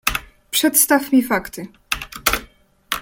"Przedstaw mi fakty!"